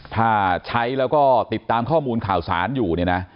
ถ้าใช้แล้วก็ติดตามข้อมูลข่าวสารอยู่เนี่ยนะ